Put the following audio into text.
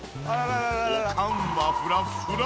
おかんはフラッフラ。